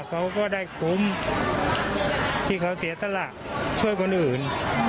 เขาก็ได้คุ้มโทษที่เขาเสียตลัดใช้ช่วงคนอื่น